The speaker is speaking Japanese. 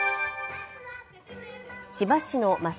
千葉市の真砂